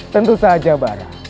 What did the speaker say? tentu saja barah